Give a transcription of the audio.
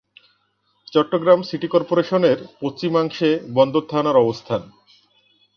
Chittagong city কর্পোরেশনের পশ্চিমাংশে বন্দর থানার অবস্থান।